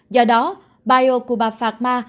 do đó bio cuba pharma